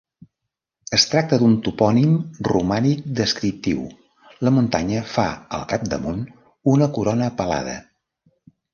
Es tracta d'un topònim romànic descriptiu: la muntanya fa al capdamunt una corona pelada.